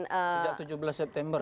sejak tujuh belas september